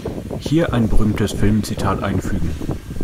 Hier ein berühmtes Filmzitat einfügen.